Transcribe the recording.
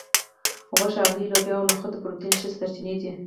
غوښه هګۍ لوبیا او نخود د پروټین ښې سرچینې دي